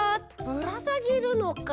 ぶらさげるのか。